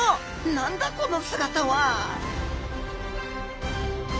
何だこの姿は！？